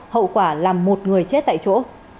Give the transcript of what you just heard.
hậu quả là một người chết tại chỗ